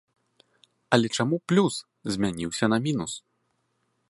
Але чаму плюс змяніўся на мінус?